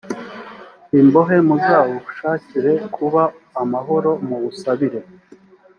imbohe muzawushakire kuba amahoro muwusabire